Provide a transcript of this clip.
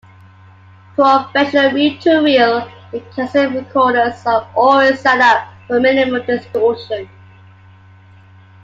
Professional reel-to-reel and cassette recorders are always set up for minimal distortion.